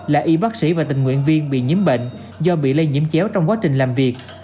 là y bác sĩ và tình nguyện viên bị nhiễm bệnh do bị lây nhiễm chéo trong quá trình làm việc